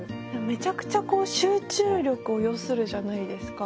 めちゃくちゃ集中力を要するじゃないですか。